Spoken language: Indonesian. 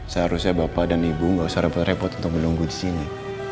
seharusnya bapak dan ibu gak usah repot repot untuk menunggu disini